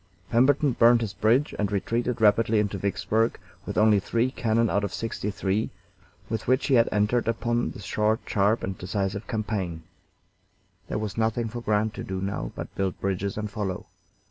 Pemberton burned his bridge and retreated rapidly into Vicksburg, with only three cannon out of sixty three with which he had entered upon this short, sharp, and decisive campaign. There was nothing for Grant to do now but build bridges and follow.